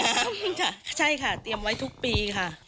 นี่นะครับใช่ค่ะเตรียมไว้ทุกปีค่ะ